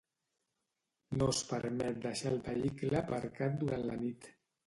No és permet deixar el vehicle aparcat durant la nit.